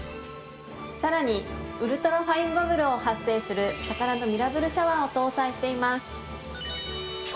さらにウルトラファインバブルを発生するたからのミラブルシャワーを搭載しています。